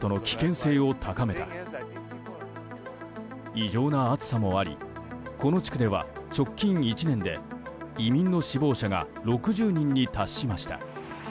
異常な暑さもありこの地区では直近１年で移民の死亡者が６０人に達しました。